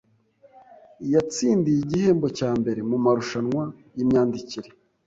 Yatsindiye igihembo cya mbere mumarushanwa yimyandikire